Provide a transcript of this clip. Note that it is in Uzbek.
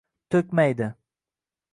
To’kmaydi.